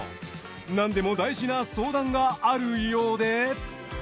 なんでも大事な相談があるようで。